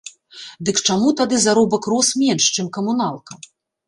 Дык чаму тады заробак рос менш, чым камуналка?